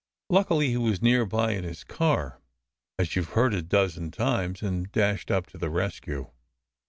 Luckily he was near by in his car, as you ve heard a dozen times, and dashed up to the rescue."